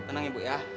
tenang ibu ya